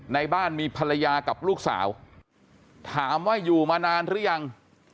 ในบ้านมีภรรยากับลูกสาวถามว่าอยู่มานานหรือยัง